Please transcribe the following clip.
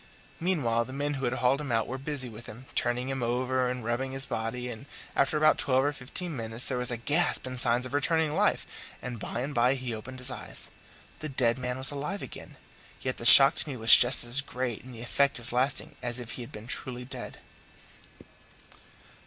Meanwhile the men who had hauled him out were busy with him, turning him over and rubbing his body, and after about twelve or fifteen minutes there was a gasp and signs of returning life, and by and by he opened his eyes. The dead man was alive again; yet the shock to me was just as great and the effect as lasting as if he had been truly dead.